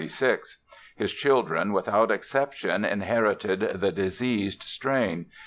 His children without exception inherited the diseased strain.